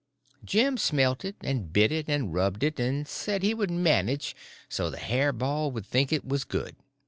Jim smelt it and bit it and rubbed it, and said he would manage so the hair ball would think it was good.